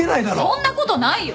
そんなことないよ！